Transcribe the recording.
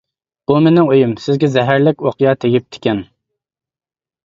بۇ مېنىڭ ئۆيۈم، سىزگە زەھەرلىك ئوقيا تېگىپتىكەن.